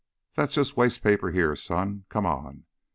"That's just wastepaper here, son. Come on!"